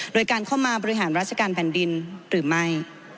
โดยการเข้ามาบริหารราชการแผ่นดินหรือไม่